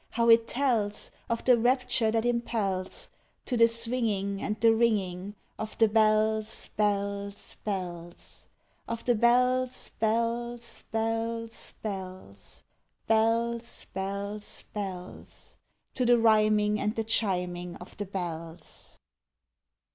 how it tells Of the rapture that impels To the swinging and the ringing Of the bells, bells, bells, Of the bells, bells, bells, bells, Bells, bells, bells To the rhyming and the chiming of the bells!